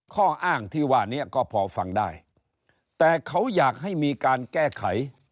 ข้ออ้างที่ว่านี้ก็พอฟังได้แต่เขาอยากให้มีการแก้ไข